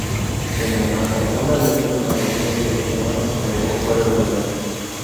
Sin embargo, una lesión en la rodilla de Evans le dejó fuera del evento.